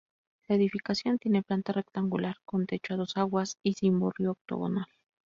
La edificación tiene planta rectangular, con techo a dos aguas y cimborrio octogonal.